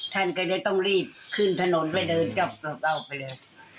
ท่านก็จะต้องรีบขึ้นถนนไปเดินจับเอาไปเลย